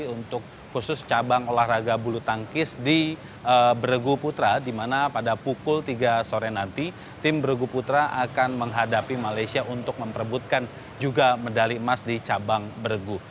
untuk khusus cabang olahraga belutangkis di bregu putra dimana pada pukul tiga sore nanti tim bregu putra akan menghadapi malaysia untuk memperbutkan juga medali emas di cabang bregu